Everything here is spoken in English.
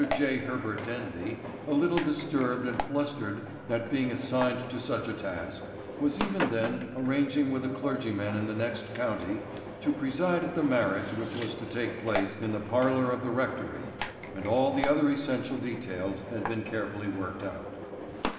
J. Herbert Denby, a little disturbed and flustered at being assigned to such a task, was even then arranging with a clergyman in the next county to preside at the marriage which was to take place in the parlor of the rectory and all the other essential details had been carefully worked out.